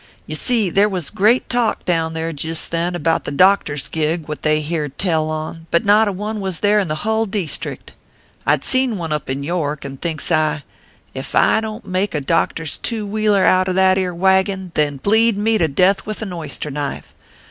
Ye see there was great talk down thar jist then, about the doctor s gig what they heard tell on, but not a one was there in the hull deestrict. I d seen one up in York, and thinks I, c Ef I don t make a doctor s two wheeler outer that ere wagon, then bleed me to death with a oyster knife